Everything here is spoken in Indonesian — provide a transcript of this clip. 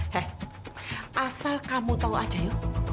heh asal kamu tahu saja yuk